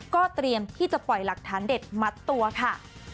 ก็เตรียมที่จะปล่อยหลักฐานเด็ดมัดตัวค่ะ